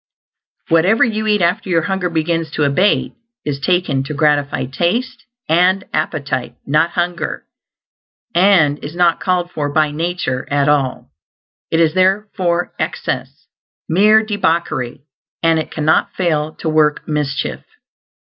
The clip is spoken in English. Whatever you eat after your hunger begins to abate is taken to gratify taste and appetite, not hunger and is not called for by nature at all. It is therefore excess; mere debauchery, and it cannot fail to work mischief.